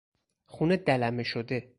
خون دلمه شده